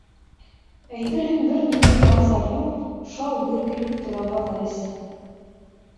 Әйтерһең, бер ниндәй аһ-зар юҡ, шау-гөр итеп тора баҙар эсе.